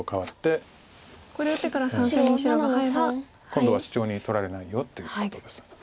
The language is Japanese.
今度はシチョウに取られないよっていうことです。